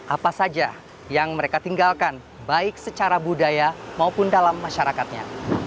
apa saja yang mereka tinggalkan baik secara budaya maupun dalam masyarakatnya